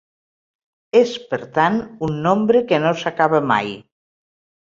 És, per tant, un nombre que no s’acaba mai.